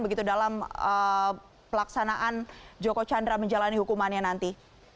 begitu dalam pelaksanaan joko chandra menjalani hukumannya nanti